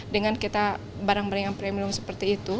dengan kita barang barang yang premium seperti itu